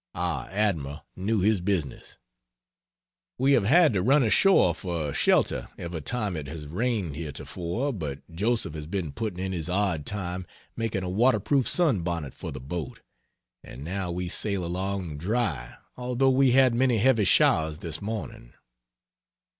Our admiral knew his business. We have had to run ashore for shelter every time it has rained heretofore, but Joseph has been putting in his odd time making a water proof sun bonnet for the boat, and now we sail along dry although we had many heavy showers this morning.